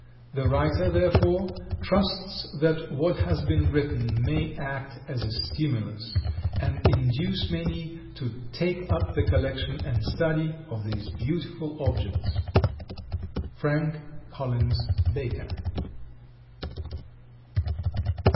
The writer, therefore, trusts that what has been written may act as a stimulus and induce many to take up the collection and study of these beautiful objects. Frank Collins Baker.